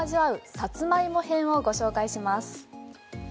さつまいも編をご紹介します。